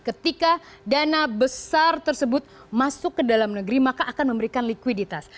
ketika dana besar tersebut masuk ke dalam negeri maka akan memberikan likuiditas